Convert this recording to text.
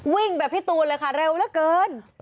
วิ่งแบบพี่ตูนเลยค่ะเร็วเหลือเกิน